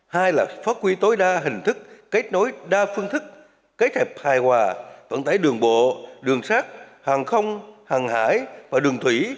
hai là phát quy tối đa hình thức kết nối đa phương thức kết hợp hài hòa vận tải đường bộ đường sát hàng không hàng hải và đường thủy